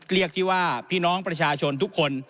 เรียกที่ว่าพี่น้องประชาชนทุกคน